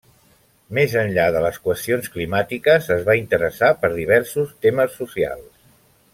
Més enllà de les qüestions climàtiques, es va interessar per diversos temes socials.